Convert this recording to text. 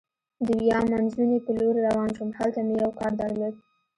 د ویا مانزوني په لورې روان شوم، هلته مې یو کار درلود.